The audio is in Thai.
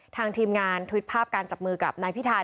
ทางทีมงานทวิตภาพการจับมือกับนายพิธาริมเตอร์